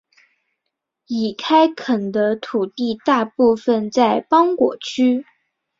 已开垦的土地大部分在邦果区。